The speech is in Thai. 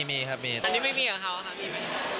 อันนี้ไม่มีหรอครับมีไหม